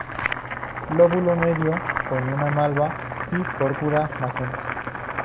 Lóbulo medio con un malva y púrpura-magenta.